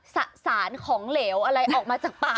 สะสานของเหลวอะไรออกมาจากป่า